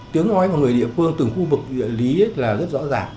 tiếng nói của người địa phương từng khu vực địa lý là rất rõ ràng